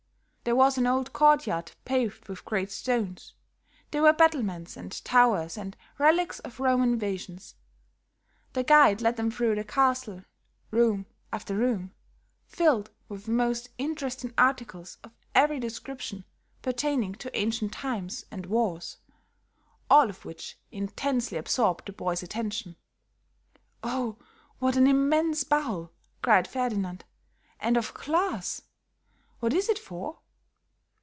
There was an old courtyard paved with great stones, there were battlements and towers and relics of Roman invasions. The guide led them through the castle, room after room, filled with most interesting articles of every description pertaining to ancient times and wars, all of which intensely absorbed the boys' attention. "Oh, what an immense bowl!" cried Ferdinand. "And of glass. What is it for?"